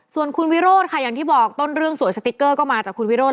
ส่วนคุณวิโรธค่ะอย่างที่บอกต้นเรื่องสวยสติ๊กเกอร์ก็มาจากคุณวิโรธ